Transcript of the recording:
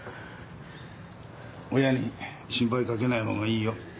親に心配かけないほうがいいよ。